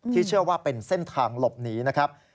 เชื่อว่าเป็นเส้นทางหลบหนีนะครับ